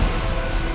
saya cuma penjaga saya